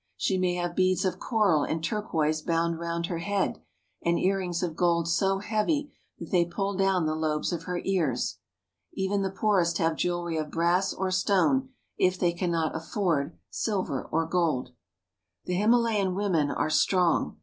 She may have beads of coral and turquoise bound round her head, and earrings of gold so heavy that they pull down the lobes of her ears. Even the poorest 304 IN THE HEART OF THE HIMALAYA MOUNTAINS have jewelry of brass or stone if they cannot afford silver and gold. The Himalayan women are strong.